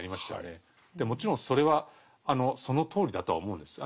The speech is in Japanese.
でもちろんそれはそのとおりだとは思うんです。